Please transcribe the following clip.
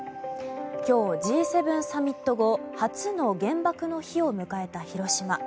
今日、Ｇ７サミット後初の原爆の日を迎えた広島。